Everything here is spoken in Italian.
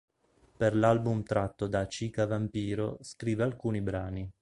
Per l'album tratto da "Chica vampiro", scrive alcuni brani.